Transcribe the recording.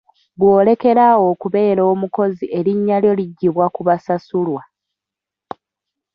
Bw'olekera awo okubeera omukozi erinnya lyo liggyibwa ku basasulwa.